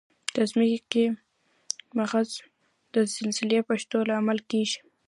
د ځمکې مغز د زلزلې پېښو لامل کیږي.